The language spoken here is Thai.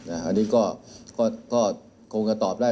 อันนี้ก็คงจะตอบได้